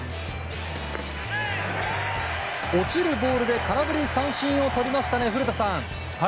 落ちるボールで空振り三振をとりましたね、古田さん。